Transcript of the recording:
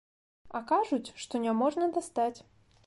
А кажуць, што няможна дастаць.